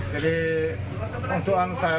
jadi untuk anu saya